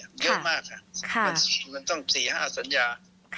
มันเยอะมากค่ะมันต้อง๔๕สัญญา